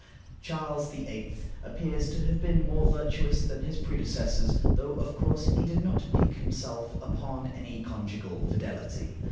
Charles VIII. appears to have been more virtuous than his predecessors, though, of course, he did not pique himself upon any conjugal fidelity.